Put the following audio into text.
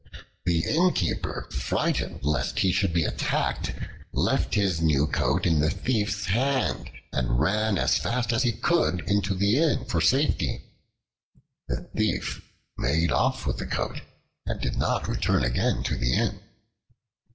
The Innkeeper, frightened lest he should be attacked, left his new coat in the Thief's hand and ran as fast as he could into the inn for safety. The Thief made off with the coat and did not return again to the inn.